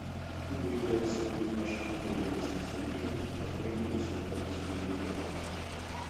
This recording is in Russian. Куба является одним из наших наиболее близких союзников и партнером для всего Карибского региона.